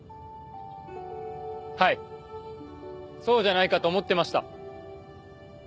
そうじゃないかと思ってました。